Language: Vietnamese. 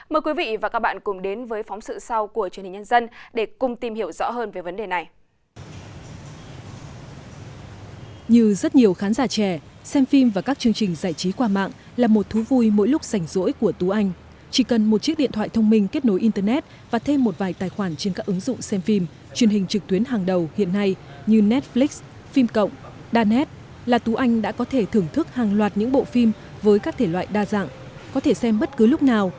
mời quý vị và các bạn cùng đến với phóng sự sau của truyền hình nhân dân để cùng tìm hiểu rõ hơn về vấn đề này